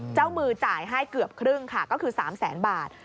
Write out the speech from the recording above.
เจ้ามือจ่ายให้เกือบครึ่งค่ะก็คือ๓แสนบาท